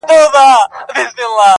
د دوی هم د پاچهۍ ویني تودې سوې،